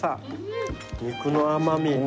肉の甘み。